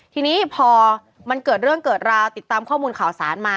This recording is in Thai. ทีนี้พอมันเกิดเรื่องเกิดราวติดตามข้อมูลข่าวสารมา